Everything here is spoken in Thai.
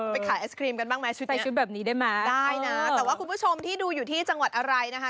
ไปขายแอศกรีมกันบ้างไหมชุดนี้ได้นะแต่ว่าคุณผู้ชมที่ดูอยู่ที่จังหวัดอะไรนะฮะ